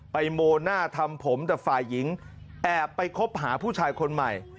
โมหน้าทำผมแต่ฝ่ายหญิงแอบไปคบหาผู้ชายคนใหม่